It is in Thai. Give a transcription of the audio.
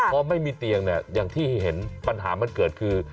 พอไม่มีเตียงเนี่ยอย่างที่เห็นปัญหามันเกิดคือ